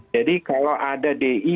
jadi kalau ada di